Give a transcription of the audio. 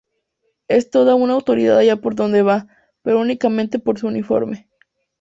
Es toda una autoridad allá por donde va, pero únicamente por su uniforme.